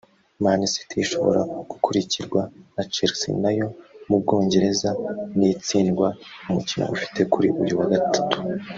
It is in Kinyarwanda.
Man City ishobora gukurikirwa na Chelsea na yo mu Bwongereza nitsindwa umukino ifite kuri uyu wa gatatu